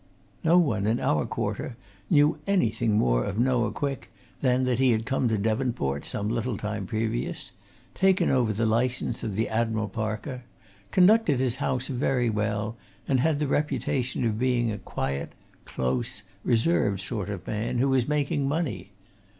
No one in our quarter knew anything more of Noah Quick than that he had come to Devonport some little time previous, taken over the license of the Admiral Parker, conducted his house very well, and had the reputation of being a quiet, close, reserved sort of man who was making money.